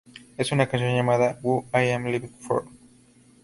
Es una canción llamada 'Who Am I Living For?'.